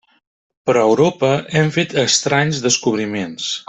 Però a Europa hem fet estranys descobriments.